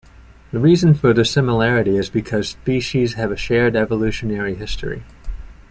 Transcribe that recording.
The reason for this similarity is because species have a shared evolutionary history.